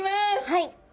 はい。